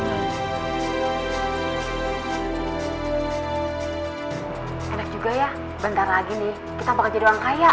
bentar lagi nih kita bakal jadi orang kaya